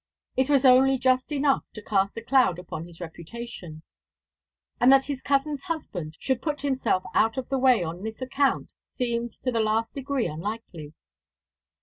It was only just enough to cast a cloud upon his reputation; and that his cousin's husband should put himself out of the way on this account seemed to the last degree unlikely.